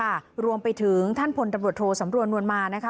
ค่ะรวมไปถึงท่านพลตำรวจโทสำรวนนวลมานะคะ